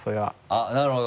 あっなるほど。